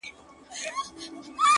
زه د تورسترگو سره دغسي سپين سترگی يمه!